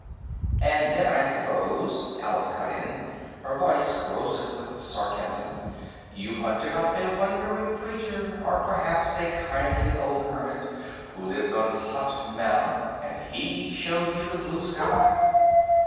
"And then I suppose," Alice cut in, her voice corrosive with sarcasm, "you hunted up a wandering preacher, or perhaps a kindly old hermit who lived on hot manna, and he showed you the blue sky!"